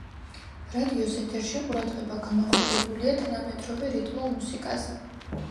რადიოს ეთერში ყურადღება გამახვილებულია თანამედროვე, რიტმულ მუსიკაზე.